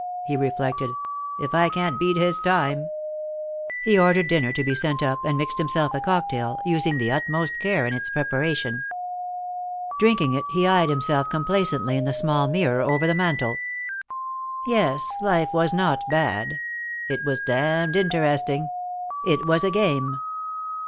he reflected. "If I can't beat his time " He ordered dinner to be sent up, and mixed himself a cocktail, using the utmost care in its preparation. Drinking it, he eyed himself complacently in the small mirror over the mantel. Yes, life was not bad. It was damned interesting. It was a game.